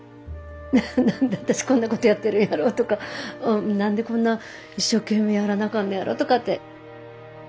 何で私こんなことやってるんやろうとか何でこんな一生懸命やらなあかんのやろうとかって。